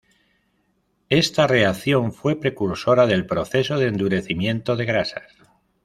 Esta reacción fue precursora del proceso de endurecimiento de grasas.